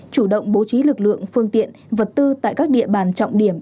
chủ động bố trí lực lượng phương tiện vật tư tại các địa bàn trọng điểm